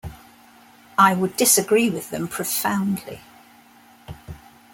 I would disagree with them profoundly.